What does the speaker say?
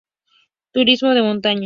Turismo de montaña.